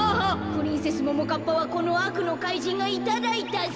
プリンセスももかっぱはこのあくのかいじんがいただいたぞ。